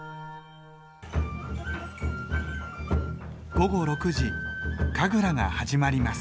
午後６時神楽が始まります。